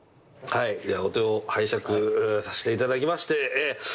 はいではお手を拝借させていただきまして。